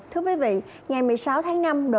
thưa quý vị ngày một mươi sáu tháng năm